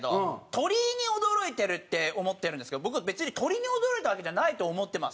鳥に驚いてるって思ってるんですけど僕は別に鳥に驚いたわけじゃないと思ってます